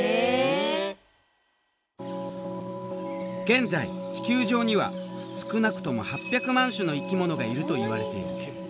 現在地球上には少なくとも８００万種の生き物がいるといわれている。